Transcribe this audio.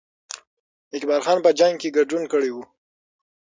اقبال خان په جنګ کې ګډون کړی وو.